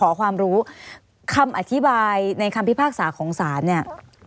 ขอความรู้คำอธิบายในคำพิพากษาของศาลเนี่ย